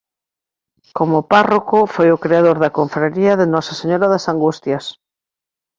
Como párroco foi o creador da confraría de Nosa Señora das Angustias.